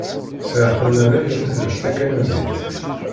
Sεiɣ tanaragt d takanadit.